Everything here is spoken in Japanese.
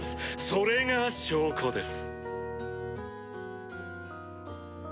それが証拠です。